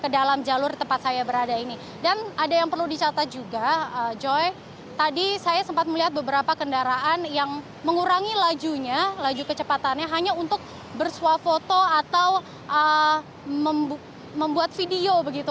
dan ada yang perlu dicatat juga joy tadi saya sempat melihat beberapa kendaraan yang mengurangi lajunya laju kecepatannya hanya untuk bersuah foto atau membuat video begitu